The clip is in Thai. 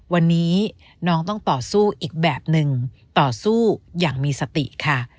วันนี้น้องต้องต่อสู้อีกแบบหนึ่งต่อสู้อย่างมีสติค่ะ